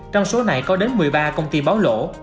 trong số này có đến một mươi ba công ty báo lỗ